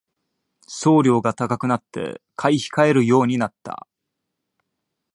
送料が高くなって買い控えるようになった